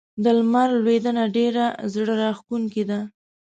د لمر لوېدنه ډېره زړه راښکونکې ده.